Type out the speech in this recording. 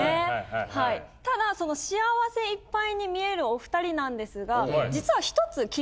ただその幸せいっぱいに見えるお２人なんですが実は１つ。